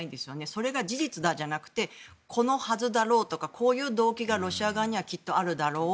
それが事実だじゃなくてこのはずだろうとかこういう動機がロシア側にはきっとあるだろう。